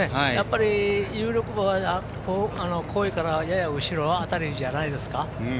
有力馬は後位からやや後ろ辺りじゃないですか。